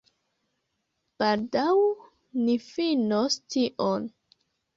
Baldaŭ ni finos tion